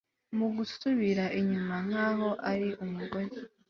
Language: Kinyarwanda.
Mugusubira inyuma nkaho ari umugozi